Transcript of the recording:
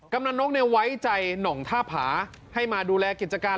กำลังนกไว้ใจหน่องท่าผาให้มาดูแลกิจการ